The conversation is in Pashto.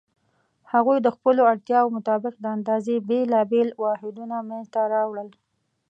هغوی د خپلو اړتیاوو مطابق د اندازې بېلابېل واحدونه منځته راوړل.